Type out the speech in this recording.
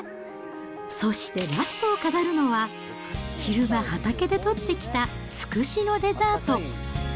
そして、ラストを飾るのは、昼間、畑で採ってきたつくしのデザート。